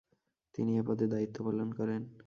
তিনি এ পদে দায়িত্ব পালন করেন।